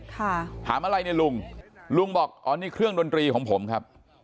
ถามอะไรเนี่ยลุงลุงบอกอ๋อนี่เครื่องดนตรีของผมครับ